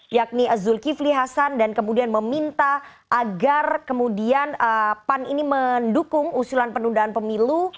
yakni zulkifli hasan dan kemudian meminta agar kemudian pan ini mendukung usulan penundaan pemilu